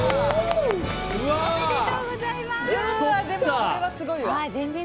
これはすごいわ。